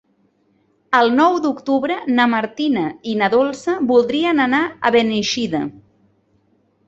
El nou d'octubre na Martina i na Dolça voldrien anar a Beneixida.